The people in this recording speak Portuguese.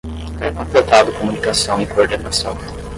Ter completado comunicação e coordenação